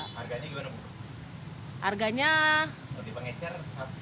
harganya bagaimana bu